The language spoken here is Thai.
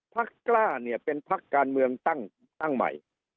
กล้าเนี่ยเป็นพักการเมืองตั้งใหม่